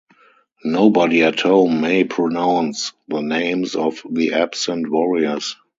Nobody at home may pronounce the names of the absent warriors.